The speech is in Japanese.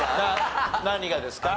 何がですか？